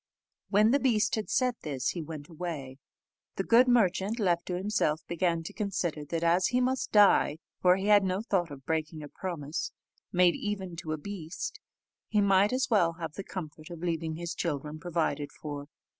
When the beast had said this, he went away. The good merchant, left to himself, began to consider that as he must die for he had no thought of breaking a promise, made even to a beast he might as well have the comfort of leaving his children provided for.